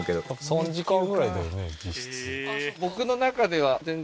３時間ぐらいだよね実質。